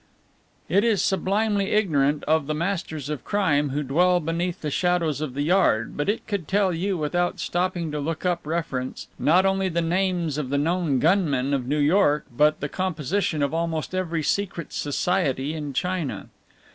It is sublimely ignorant of the masters of crime who dwell beneath the shadows of the Yard, but it could tell you, without stopping to look up reference, not only the names of the known gunmen of New York, but the composition of almost every secret society in China.